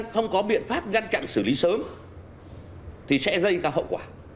không có biện pháp ngăn chặn xử lý sớm thì sẽ gây ra hậu quả